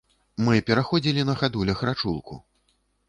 Мы пераходзілі на хадулях рачулку.